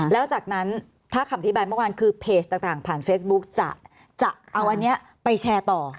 แล้วจากนั้นถ้าคำอธิบายเมื่อวานคือเพจต่างผ่านเฟซบุ๊กจะเอาอันนี้ไปแชร์ต่อ